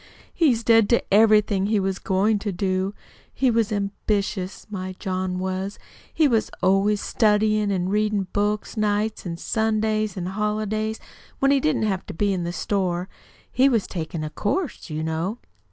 "He's dead to everything he was goin' to do. He was ambitious, my John was. He was always studyin' and readin' books nights an' Sundays an' holidays, when he didn't have to be in the store. He was takin' a course, you know."